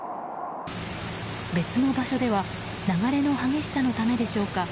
別の場所では流れの激しさのためでしょうか。